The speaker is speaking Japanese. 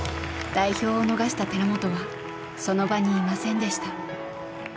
代表を逃した寺本はその場にいませんでした。